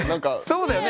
そうだよね。